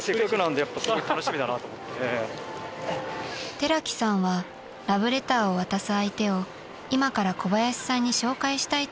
［寺木さんはラブレターを渡す相手を今から小林さんに紹介したいといいます］